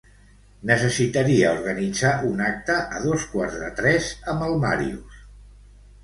Necessitaria organitzar un acte a dos quarts de tres amb el Màrius.